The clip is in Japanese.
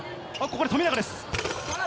ここで富永です。